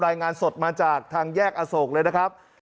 รายงานสดมาจากทางแยกอโศกเลยนะครับ